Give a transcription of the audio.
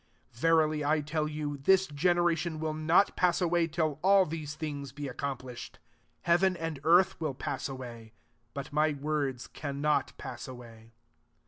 34 Verily I tell y«i)This generation will not pass away UU all these things be accomplished. 35 Heaven and earth will pass away; but ny words cannot pass away.